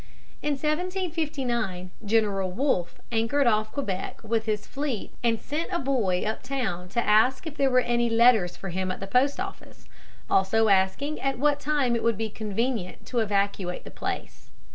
In 1759 General Wolfe anchored off Quebec with his fleet and sent a boy up town to ask if there were any letters for him at the post office, also asking at what time it would be convenient to evacuate the place.